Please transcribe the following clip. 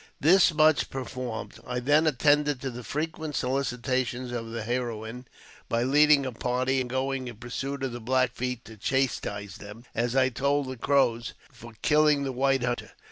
1 This much performed, I then attended to the frequent I solicitations of the heroine, by leading a party, and going in pursuit of the Black Feet to chastise them, as I told the ' Crows, for killing the white hunter.